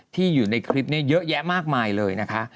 อยู่ในคลิปนี้เยอะแยะมากมายเลยนะคะ